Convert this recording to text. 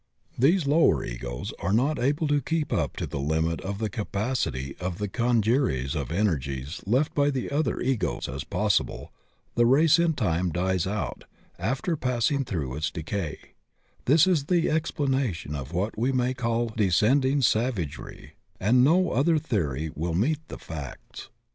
These lower Egos are not able to keep up to the Umit of the capacity of the congeries of energies left by the other Egos, and so while tfie new set gains as much experience as is possible the race in time dies out after passing through its decay. This is the explanation of what we may call descending savagery, and no other theory will meet the facts.